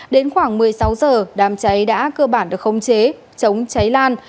đến khoảng một mươi sáu giờ đám cháy đã cơ bản được khống chế chống cháy lan